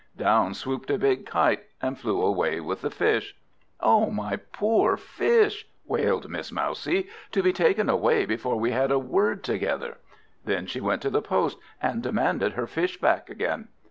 Down swooped a big Kite, and flew away with the Fish. "O my poor Fish," wailed Miss Mousie, "to be taken away before we had a word together." Then she went to the Post, and demanded her Fish back again.